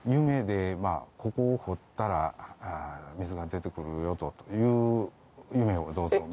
夢でここを掘ったら水が出てくるよという夢をえっ？